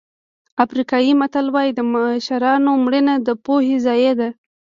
افریقایي متل وایي د مشرانو مړینه د پوهې ضایع ده.